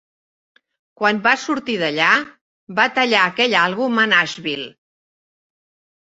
Quan va sortir d"allà, va tallar aquell àlbum a Nashville.